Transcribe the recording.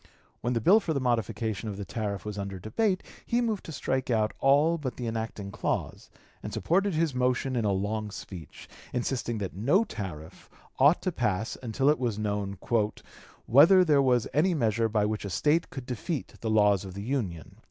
When the bill for the modification of the tariff was under debate, he moved to strike out all but the enacting clause, and supported his motion in a long speech, insisting that no tariff ought to pass until it was known "whether there was any measure by which a State could defeat the laws of the Union."